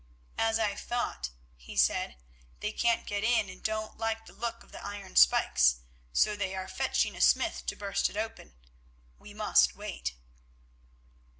"As I thought," he said. "They can't get in and don't like the look of the iron spikes, so they are fetching a smith to burst it open. We must wait."